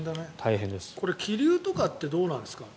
これ、気流とかってどうなんですか？